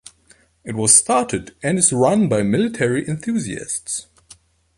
It was started and is run by military enthusiasts.